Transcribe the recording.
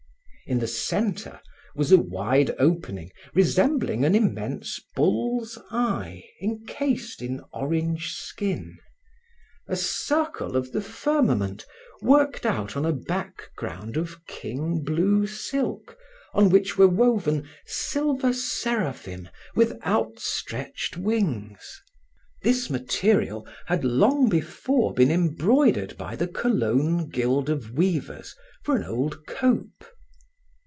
In the center was a wide opening resembling an immense bull's eye encased in orange skin a circle of the firmament worked out on a background of king blue silk on which were woven silver seraphim with out stretched wings. This material had long before been embroidered by the Cologne guild of weavers for an old cope.